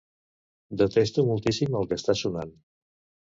Detesto moltíssim el que està sonant.